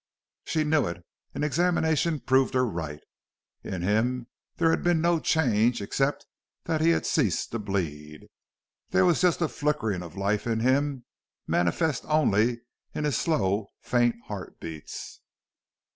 She knew it. And examination proved her right. In him there had been no change except that he had ceased to bleed. There was just a flickering of life in him, manifest only in his slow, faint heart beats.